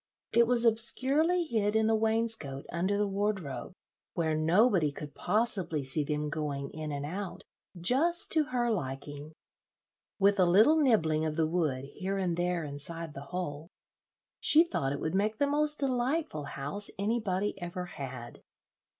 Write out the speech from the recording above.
It was obscurely hid in the wainscot under the wardrobe, where nobody could possibly see them going in and out just to her liking. With a little nibbling of the wood here and there inside the hole, she thought it would make the most delightful house anybody ever had.